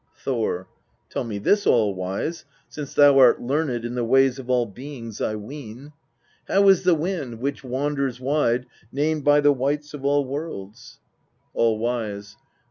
Thor. 13. Tell me this, All wise, since thou art learned in the ways of all beings, I ween : how is the Moon which men behold named by the wights of all worlds ? All wise.